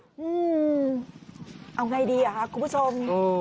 อืมเอาไงดีหรอครับคุณผู้ชม